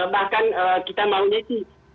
bahkan kita mau jadi